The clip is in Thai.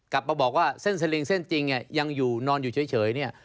กลับมาบอกว่าเส้นสลิงเส้นจริงยังนอนอยู่เฉย